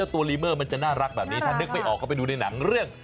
ตัวลีเมอร์มันจะน่ารักแบบนี้ถ้านึกไม่ออกก็ไปดูในหนังเรื่อง